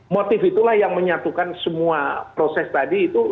motif itulah yang menyatukan semua proses tadi itu